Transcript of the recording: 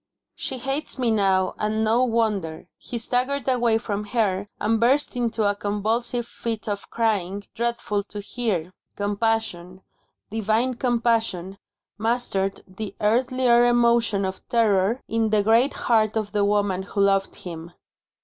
"She hates me now, and no wonder." He staggered away from her, and burst into a convulsive fit of crying, dreadful to hear. Compassion, divine compassion, mastered the earthlier emotion of terror in the great heart of the woman who loved him.